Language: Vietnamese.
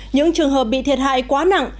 những trường hợp bị thiệt hại quá nặng